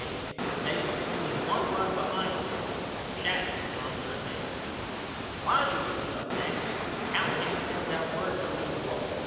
K. but they was only one run behind then and Chapman was on third base. Lajoie was up next and Callahan sends out word for me to walk him.